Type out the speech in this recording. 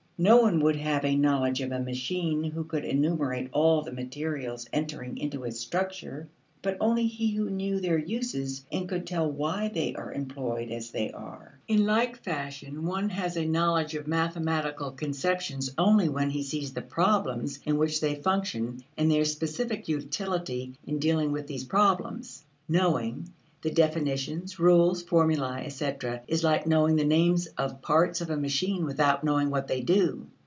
No one would have a knowledge of a machine who could enumerate all the materials entering into its structure, but only he who knew their uses and could tell why they are employed as they are. In like fashion one has a knowledge of mathematical conceptions only when he sees the problems in which they function and their specific utility in dealing with these problems. "Knowing" the definitions, rules, formulae, etc., is like knowing the names of parts of a machine without knowing what they do.